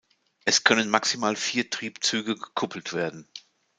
Es können maximal vier Triebzüge gekuppelt werden.